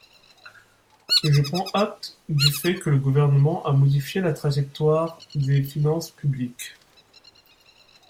Je prends acte du fait que le Gouvernement a modifié la trajectoire des finances publiques.